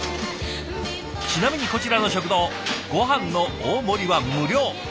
ちなみにこちらの食堂ごはんの大盛りは無料。